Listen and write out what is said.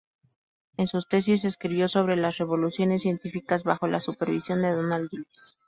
En su tesis escribió sobre las revoluciones científicas bajo la supervisión de Donald Gillies.